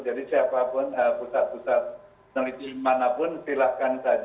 jadi siapapun pusat pusat peneliti manapun silakan saja